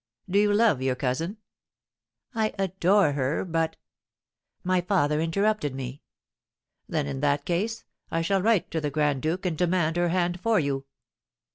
"Do you love your cousin?" "I adore her; but " My father interrupted me. "Then, in that case, I shall write to the grand duke and demand her hand for you."